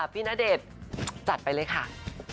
พี่นาเดชน์จัดไปเลยค่ะ